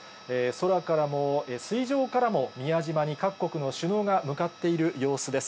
空からも、水上からも、宮島に各国の首脳が向かっている様子です。